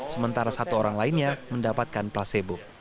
sementara satu orang lainnya mendapatkan placebo